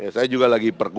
saya juga lagi perkutuk